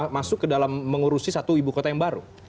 masuk ke dalam mengurusi satu ibu kota yang baru